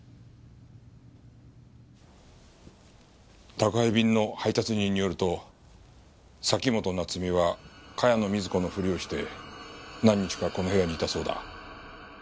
宅配便の配達人によると崎本菜津美は茅野瑞子のふりをして何日かこの部屋にいたそうだ。